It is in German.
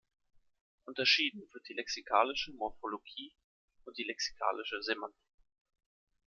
Unterschieden wird die lexikalische Morphologie und die lexikalische Semantik.